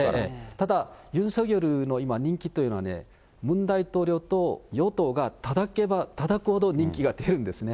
ただ、ユン・ソギョルの人気というのは、ムン大統領と与党がたたけばたたくほど人気が出るんですね。